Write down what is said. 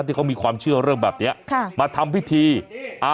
ที่เขามีความเชื่อเรื่องแบบนี้เนี่ยแหละครับมาทำพิธีค่ะ